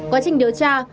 quá trình điều tra